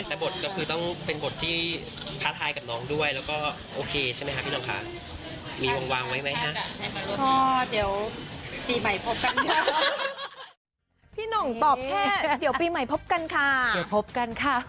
แต่บทก็คือต้องเป็นบทท้าทายกับน้องด้วยแล้วก็โอเคใช่ไหมค่ะพี่น้องค่ะ